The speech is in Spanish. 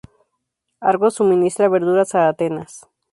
Argos suministra verduras a Atenas.